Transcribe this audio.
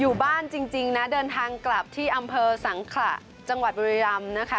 อยู่บ้านจริงนะเดินทางกลับที่อำเภอสังขระจังหวัดบุรีรำนะคะ